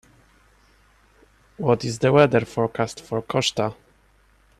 What is the weather forecast for Koszta